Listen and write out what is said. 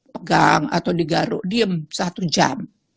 pegang atau digaruk diem satu jam